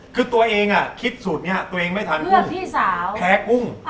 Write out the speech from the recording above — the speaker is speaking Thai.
คือตัวเองคิดสูตรนี้ตัวเองไม่ทานพรุ่งแพ้กุ้ง